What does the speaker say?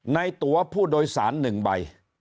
ในตัวผู้โดยสาร๑ใบ